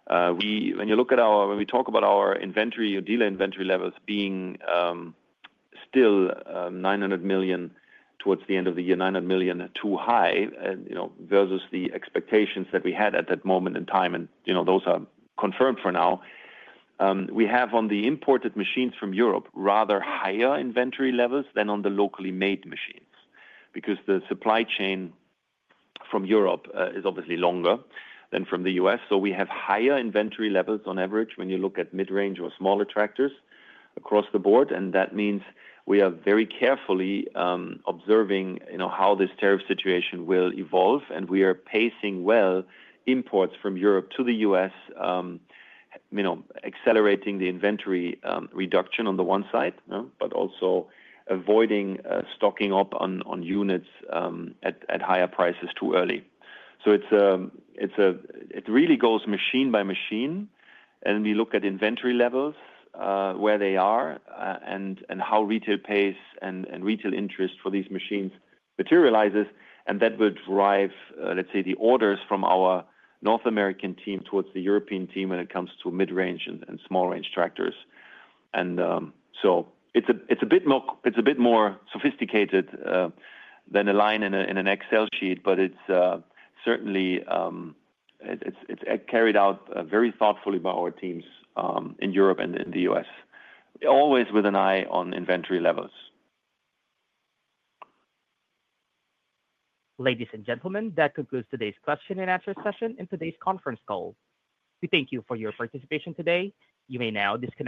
When you look at our, when we talk about our inventory or dealer inventory levels being still $900 million towards the end of the year, $900 million too high versus the expectations that we had at that moment in time, and those are confirmed for now. We have on the imported machines from Europe rather higher inventory levels than on the locally made machines because the supply chain from Europe is obviously longer than from the U.S. We have higher inventory levels on average when you look at mid-range or smaller tractors across the board. That means we are very carefully observing how this tariff situation will evolve, and we are pacing well imports from Europe to the U.S., accelerating the inventory reduction on the one side, but also avoiding stocking up on units at higher prices too early. It really goes machine by machine, and we look at inventory levels, where they are, and how retail pace and retail interest for these machines materializes. That will drive, let's say, the orders from our North American team towards the European team when it comes to mid-range and small range tractors. It is a bit more sophisticated than a line in an Excel sheet, but it is certainly carried out very thoughtfully by our teams in Europe and in the U.S., always with an eye on inventory levels. Ladies and gentlemen, that concludes today's question and answer session in today's conference call. We thank you for your participation today. You may now disconnect.